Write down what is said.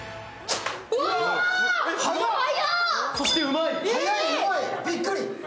そして、うまい。